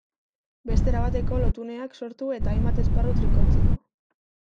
Beste erabateko lotuneak sortu eta hainbat esparru trinkotzeko.